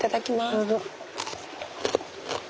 どうぞ。